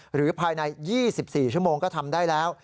หรือภายใน๒๔ชั่วโมงก็ทำได้แล้ว